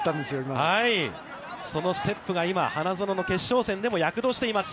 そのステップが、今、花園の決勝戦でも躍動しています。